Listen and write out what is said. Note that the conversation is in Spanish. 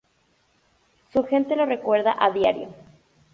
Su gente lo recuerda a diario.